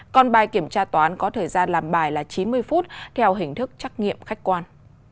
còn bài kiểm tra toán có thời gian làm bài là chín mươi phút theo hình thức trắc nghiệm khách quan